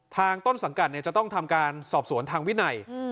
ต้นสังกัดจะต้องทำการสอบสวนทางวินัย